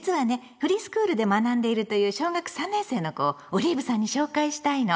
フリースクールで学んでいるという小学３年生の子をオリーブさんに紹介したいの。